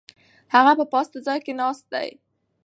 هغه په پاسته ځای کې ناست دی.